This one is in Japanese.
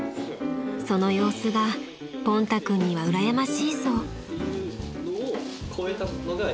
［その様子がポンタ君にはうらやましいそう］